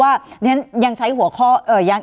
การแสดงความคิดเห็น